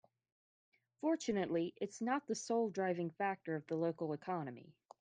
Fortunately its not the sole driving factor of the local economy.